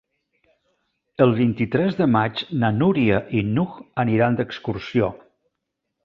El vint-i-tres de maig na Núria i n'Hug aniran d'excursió.